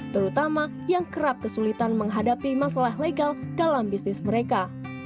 terutama yang kerap kesulitan menghadapi masalah legal dalam bisnis mereka